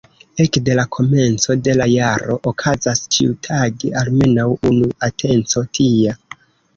Ekde la komenco de la jaro okazas ĉiutage almenaŭ unu atenco tia.